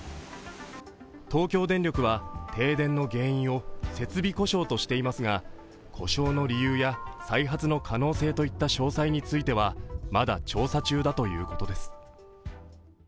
東京電力は停電の原因を設備故障としていますが故障の理由や再発の可能性といった詳細についてはまだ調査中だということです。